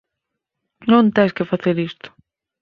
Non tes que facer isto.